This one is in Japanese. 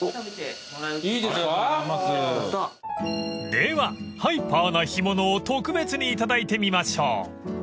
［ではハイパーな干物を特別にいただいてみましょう］